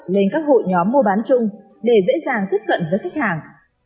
lên các hội nhóm mua bán chung để dễ dàng tiếp cận với khách hàng